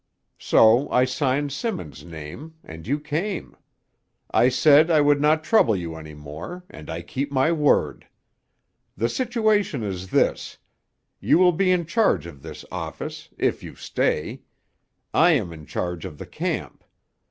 So I signed Simmons' name, and you came. I said I would not trouble you any more, and I keep my word. The situation is this: you will be in charge of this office—if you stay; I am in charge of the camp.